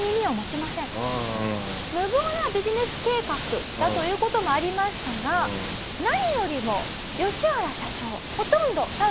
無謀なビジネス計画だという事もありましたが何よりもヨシワラ社長